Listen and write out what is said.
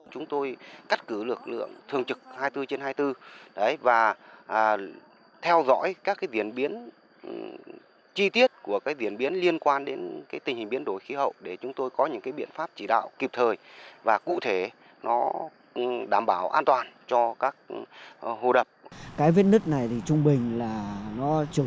cái vết lứt này thì trung bình là nó chiều sâu khoảng bốn mươi năm mươi phân